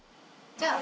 じゃあ。